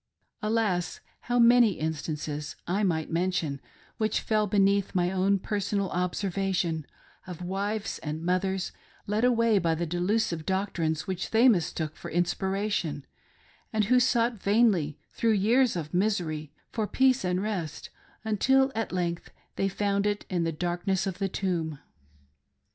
Alas, how many instances I might mention, which fell beneath my own personal' observation, of wives and mothers led away by the delusive doctrines which they mistook for inspiration, and who sought vainly, through years of misery, for peace and rest, until at length they found it in the dark ness of the tomb.